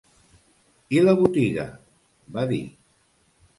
I la botiga?—va dir.